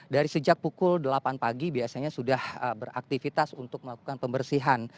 dari sejak pukul delapan pagi biasanya sudah beraktivitas untuk melakukan pembersihan